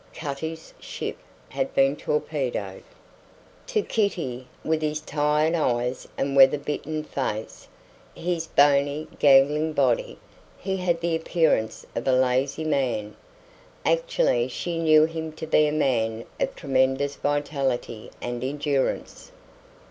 Cutty's ship had been torpedoed. To Kitty, with his tired eyes and weather bitten face, his bony, gangling body, he had the appearance of a lazy man. Actually she knew him to be a man of tremendous vitality and endurance.